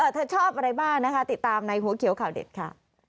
เธอชอบอะไรบ้างนะคะติดตามในหัวเขียวข่าวเด็ดค่ะ